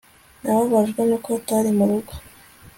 Nababajwe nuko atari murugo